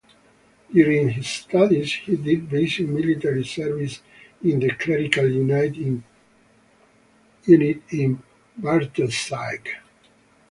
During his studies he did basic military service in the clerical unit in Bartoszyce.